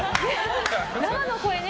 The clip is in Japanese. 生の声ね。